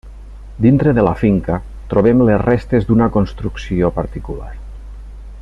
Dintre de la finca, trobem les restes d'una construcció particular.